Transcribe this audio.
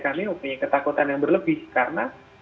kami mempunyai ketakutan yang berlebih karena